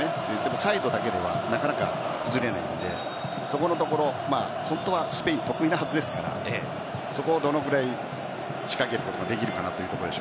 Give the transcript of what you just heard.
サイドだけではなかなか崩れないのでそこのところ本当はスペイン得意なはずですからそこをどのくらい仕掛けることができるのかな